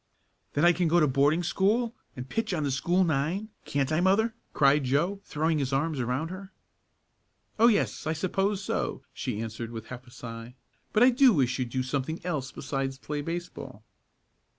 "Then I can go to boarding school and pitch on the school nine; can't I mother?" cried Joe, throwing his arms around her. "Oh, yes; I suppose so," she answered, with half a sigh. "But I do wish you'd do something else besides play baseball."